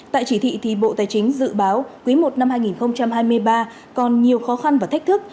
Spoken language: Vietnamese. tại chỉ thị thì bộ tài chính dự báo quý i năm hai nghìn hai mươi ba còn nhiều khó khăn và thách thức